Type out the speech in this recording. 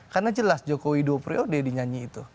karena jelas jokowi dua pre odeh dinyanyi itu